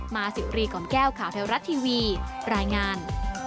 มาสิรีกล่อมแก้วข่าวไทยรัฐทีวีรายงาน